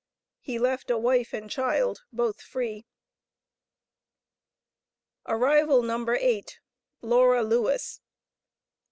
He left a wife and child, both free. Arrival No. 8. Laura Lewis.